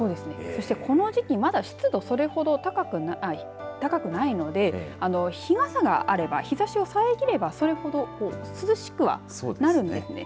この時期まだ湿度、それほど高くないので日傘があれば日ざしをさえぎればそれほど涼しくはなるんですね。